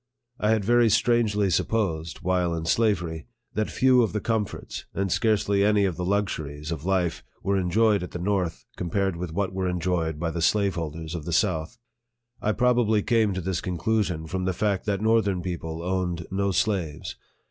I had very strangely supposed, while in slavery, that few of the comforts, and scarcely any of tho luxuries, of life were enjoyed at the north, compared with what were enjoyed by the slaveholders of the south. I probably came to this conclusion from the fact that northern people owned no slaves.